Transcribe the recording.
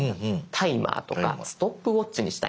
タイマーとかストップウォッチにしたいんだ。